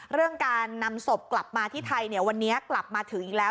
เรื่องการนำศพกลับมาที่ไทยวันนี้กลับมาถึงอีกแล้ว